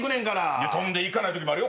いや、飛んでいかないときもあるよ。